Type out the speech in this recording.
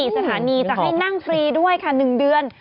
สถานีจะให้นั่งฟรีด้วยค่ะ๑เดือน